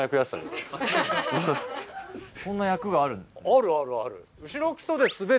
あるあるある。